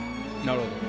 なるほど。